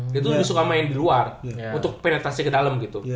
dia tuh suka main di luar untuk penetrasi ke dalem gitu